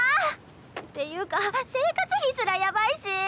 っていうか生活費すらやばいし。